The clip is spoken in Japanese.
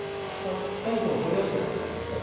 カニ子を取り合ってるの？